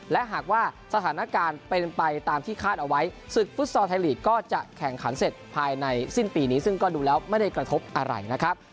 และหากว่าสถานการณ์เป็นไปตามที่คาดเอาไว้ศึกฟุตซอลไทยลีกก็จะแข่งขันเสร็จภายในสิ้นปีนี้ซึ่งก็ดูแล้วไม่ได้กระทบอะไรนะครับ